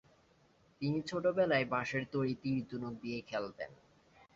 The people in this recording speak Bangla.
তিনি ছোটবেলায় বাঁশের তৈরি তীর-ধনুক দিয়ে খেলতেন।